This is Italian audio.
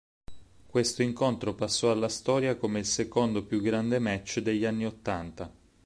Questo incontro passò alla storia come il secondo più grande match degli anni ottanta.